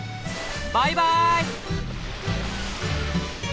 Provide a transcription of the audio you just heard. バイバーイ！